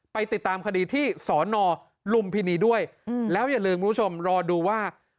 ไปติดตามคดีที่สอนอลุมพินีด้วยแล้วอย่าลืมคุณผู้ชมรอดูว่า